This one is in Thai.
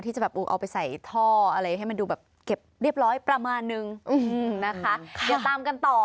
ที่จะแบบเอาไปใส่ท่ออะไรให้มันดูแบบเก็บเรียบร้อยประมาณนึงนะคะ